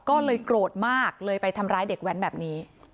ก็เลยโกรธมากเลยไปทำร้ายเด็กแว้นแบบนี้